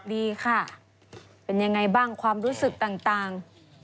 ดีค่ะเป็นยังไงบ้างความรู้สึกต่าง